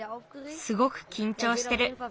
すごくきんちょうしてる。